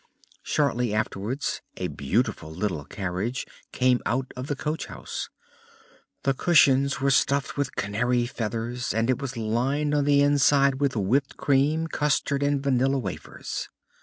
Shortly afterwards a beautiful little carriage came out of the coach house. The cushions were stuffed with canary feathers and it was lined on the inside with whipped cream, custard and vanilla wafers.